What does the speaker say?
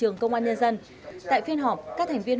nhân dân tại phiên họp các thành viên